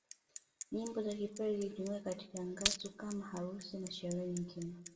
Nyimbo za Kipare zilitumika katika ngasu kama harusi na sherehe nyingine